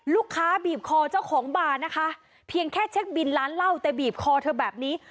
บีบคอเจ้าของบาร์นะคะเพียงแค่เช็คบินร้านเหล้าแต่บีบคอเธอแบบนี้